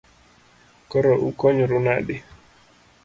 Koro ukonyoru nade?